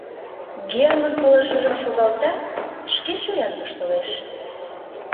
Герман пылышыжым шогалта, шке чоян воштылеш.